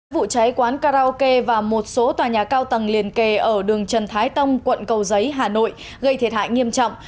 vụ cháy quán karaoke và một số tòa nhà cao tầng liền kề ở đường trần thái tông quận cầu giấy hà nội gây thiệt hại nghiêm trọng